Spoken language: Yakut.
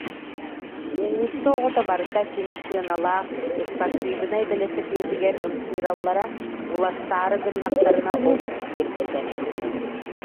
Уулусса оҕото барыта кини сыаналаах ыспартыыбынай бэлэсэпиэтигэр ымсыыраллара, уларсаары гыннахтарына олох биэрбэтэ